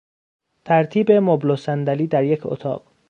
ترتیب مبل و صندلی در یک اتاق